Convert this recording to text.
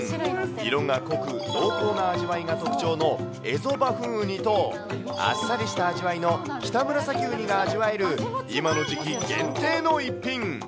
色が濃く濃厚な味わいが特徴のエゾバフンウニと、あっさりした味わいのキタムラサキウニが味わえる、今の時期、限定の一品。